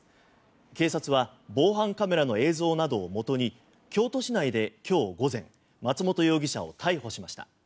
警察は防犯カメラの映像などをもとに京都市内で今日午前松本容疑者を逮捕しました。